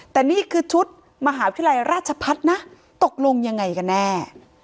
แต่นี่คือชุดมหาวิทยาลัยราชพัฒน์นะตกลงยังไงกันแน่